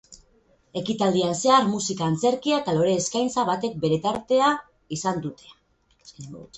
Ekitaldian zehar musika, antzerkia eta lore-eskaintza batek bere tartea izan dute.